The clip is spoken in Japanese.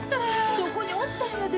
そこにおったんやで。